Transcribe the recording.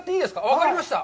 分かりました。